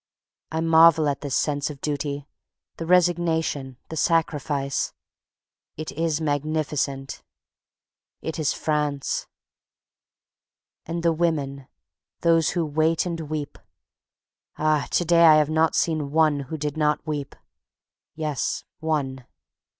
I marvel at the sense of duty, the resignation, the sacrifice. It is magnificent, it is FRANCE. And the Women. Those who wait and weep. Ah! to day I have not seen one who did not weep. Yes, one.